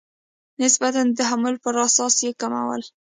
نسبتا د تحمل په اساس یې کمول.